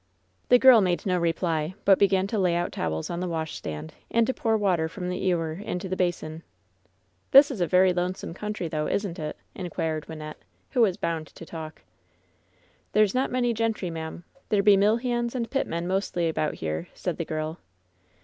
The girl made no reply, but began to lay out towels on the washstand, and to pour water from the ewer into the basin. "This is a very lonesome country, though, isn't it?*' inquired Wynnette, who was bound to talk. "There's not a many gentry, ma'am. There be mill hands and pitmen mostly about here," said the girl.